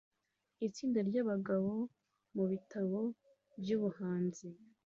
Itsinda ryabagabo mubitabo byubuhanzi